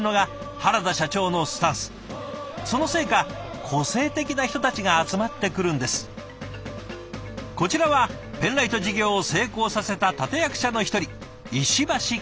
こちらはペンライト事業を成功させた立て役者の一人石橋佳苗さん。